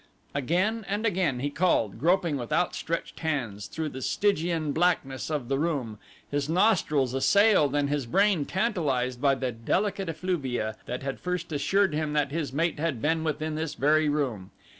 Again and again he called, groping with outstretched hands through the Stygian blackness of the room, his nostrils assailed and his brain tantalized by the delicate effluvia that had first assured him that his mate had been within this very room.